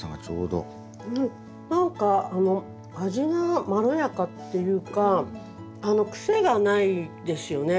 何か味がまろやかっていうか癖がないですよね。